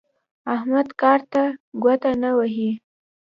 احمد کار ته ګوته نه وهي.